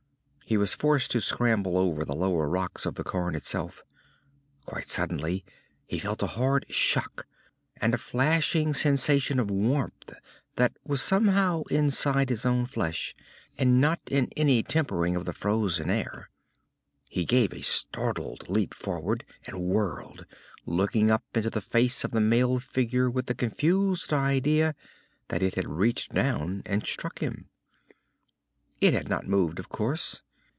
He was forced to scramble over the lower rocks of the cairn itself. Quite suddenly he felt a hard shock, and a flashing sensation of warmth that was somehow inside his own flesh, and not in any tempering of the frozen air. He gave a startled leap forward, and whirled, looking up into the face of the mailed figure with the confused idea that it had reached down and struck him. It had not moved, of course.